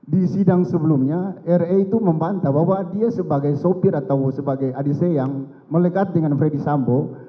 di sidang sebelumnya re itu membantah bahwa dia sebagai sopir atau sebagai adc yang melekat dengan freddy sambo